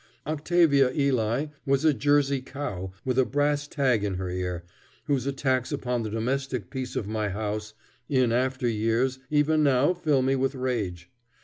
Octavia Ely was a Jersey cow with a brass tag in her ear, whose attacks upon the domestic peace of my house in after years even now fill me with rage.